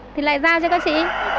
thì lại giao cho các chị